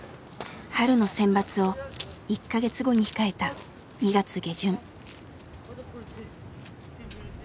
春の選抜を１か月後に控えた２月下旬。